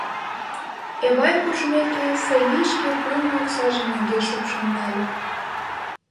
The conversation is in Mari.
Эвай куржмеке, Савий шке пуымо оксажым мӧҥгеш шупшын нале.